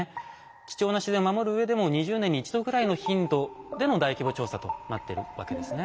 貴重な自然を守るうえでも２０年に１度ぐらいの頻度での大規模調査となっているわけですね。